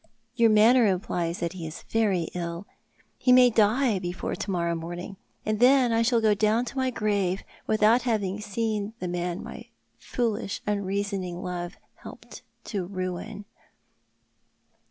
Your manner implies that he is very ill. He may die before to morrow morning; and then I shall go down to my grave without having seen the man my foolish uni'easouing love helped to ruin."